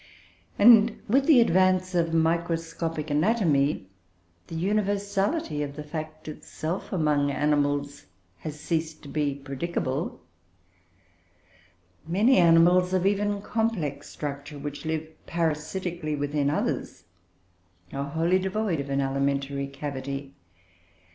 And, with the advance of microscopic anatomy, the universality of the fact itself among animals has ceased to be predicable. Many animals of even complex structure, which live parasitically within others, are wholly devoid of an alimentary cavity.